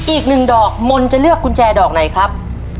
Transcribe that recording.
อีกหนึ่งดอกมนต์จะเลือกกุญแจดอกไหนครับ